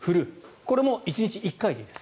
これも１日１回でいいです。